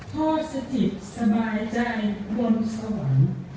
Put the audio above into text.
พ่อสถิตสบายใจบนสวรรค์